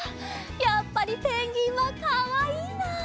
やっぱりペンギンはかわいいな。